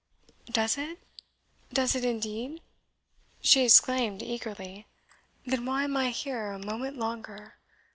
"Does it, does it indeed?" she exclaimed eagerly; "then why am I here a moment longer?